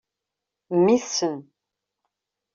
Mmi-tsen.